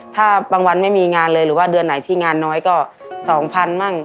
ถ้าบางวันไม่มีงานเลยหรือว่าเดือนไหนที่งานน้อยก็๒๐๐๐มั่ง